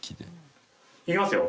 いきますよ。